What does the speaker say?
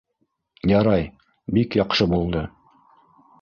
— Ярай, бик яҡшы булды.